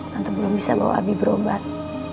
nanti belum bisa bawa abi berobat